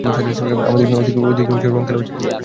আমাদের ওদিকে রঙ খেলা হচ্ছে-উঠোনে কাদা ফেলে তাতে গড়াগড়ি খাওয়া।